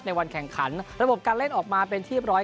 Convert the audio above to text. วันแข่งขันระบบการเล่นออกมาเป็นที่เรียบร้อย